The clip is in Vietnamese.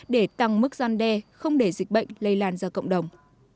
để tăng mức gian đe không để dịch bệnh lây lan ra cộng đồng